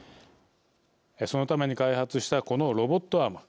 そのために開発したこのロボットアーム。